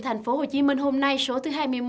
thành phố hồ chí minh hôm nay số thứ hai mươi một